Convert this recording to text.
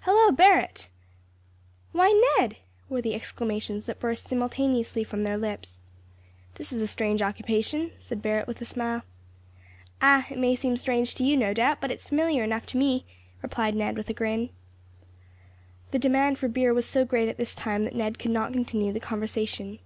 "Hallo! Barret." "Why, Ned!" were the exclamations that burst simultaneously from their lips. "This is a strange occupation," said Barret with a smile. "Ah, it may seem strange to you, no doubt, but it's familiar enough to me," replied Ned, with a grin. The demand for beer was so great at this time that Ned could not continue the conversation.